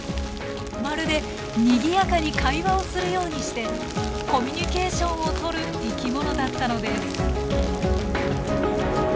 まるでにぎやかに会話をするようにしてコミュニケーションをとる生き物だったのです。